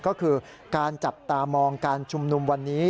ก็คือการจับตามองการชุมนุมวันนี้